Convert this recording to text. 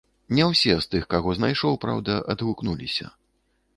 Не ўсе з тых, каго знайшоў, праўда, адгукнуліся.